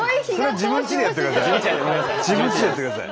自分ちでやってください。